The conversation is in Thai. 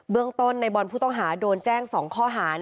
เรื่องต้นในบอลผู้ต้องหาโดนแจ้ง๒ข้อหา